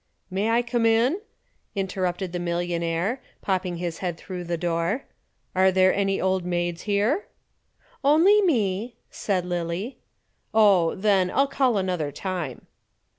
"May I come in?" interrupted the millionaire, popping his head through the door. "Are there any Old Maids here?" "Only me," said Lillie. "Oh, then, I'll call another time."